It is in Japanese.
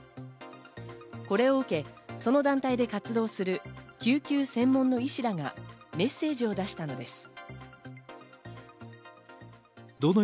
これを受け、その団体で活動する救急専門の医師らがメッセージを出したのです。